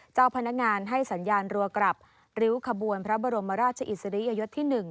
เจ้าพนักงานให้สัญญาณรัวกลับริ้วขบวนพระบรมราชอิสริยยศที่๑